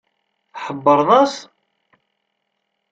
Tḥebbreḍ-as?